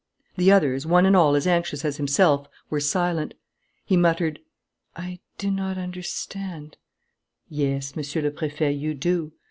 The others, one and all as anxious as himself, were silent. He muttered: "I do not understand " "Yes, Monsieur le Préfet, you do.